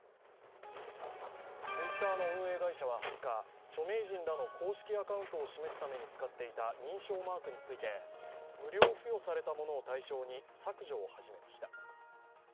Ｔｗｉｔｔｅｒの運営会社は２０日、著名人らの公式アカウントを示すために使っていた認証マークについて無料付与されたものを対象に削除を始めました。